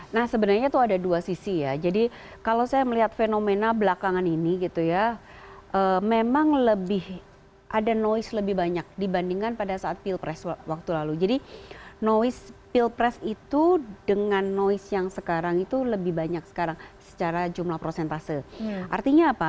nah sebenarnya itu ada dua sisi ya jadi kalau saya melihat fenomena belakangan ini gitu ya memang lebih ada noise lebih banyak dibandingkan pada saat pilpres waktu lalu jadi noise pilpres itu dengan noise yang sekarang itu lebih banyak sekarang secara jumlah prosentase artinya apa